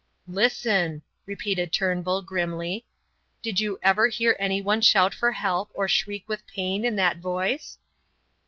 "Listen!" repeated Turnbull, grimly. "Did you ever hear anyone shout for help or shriek with pain in that voice?"